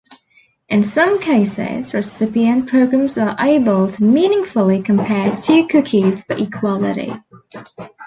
In some cases, recipient programs are able to meaningfully compare two cookies for equality.